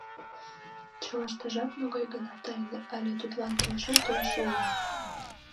Чылаштыжат могай-гынат тайне але тудлан келшен толшо уло.